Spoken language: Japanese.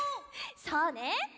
そうね。